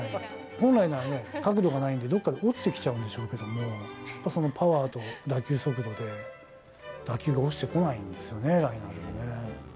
本来なら、角度がないんで、どっかで落ちてきちゃうんでしょうけれども、そのパワーと打球速度で、打球が落ちてこないんですよね、ライナーでもね。